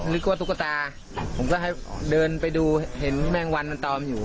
นึกว่าตุ๊กตาผมก็ให้เดินไปดูเห็นแมงวันมันตอมอยู่